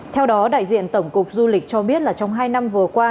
theo đó đại diện tổng cục du lịch cho biết là trong hai năm vừa qua